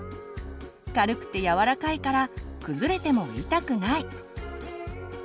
軽くてやわらかいから崩れても痛くない。